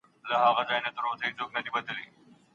د مرکې پر وخت بايد بېځايه خبري ونه سي.